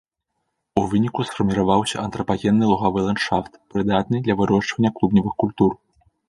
У выніку сфарміраваўся антрапагенны лугавы ландшафт, прыдатны для вырошчвання клубневых культур.